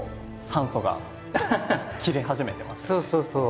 そうそうそう。